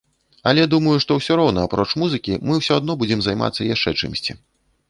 Але думаю, што ўсё роўна апроч музыкі мы ўсё адно будзем займацца яшчэ чымсьці.